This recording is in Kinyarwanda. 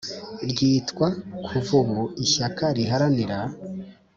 Ryitwa kuva ubu ishyaka riharanira